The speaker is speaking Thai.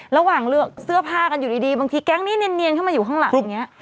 ระหว่างเลือกเสื้อผ้ากันอยู่ดีบางทีแก๊งนี้เนียนเข้ามาอยู่ข้างหลังอย่างนี้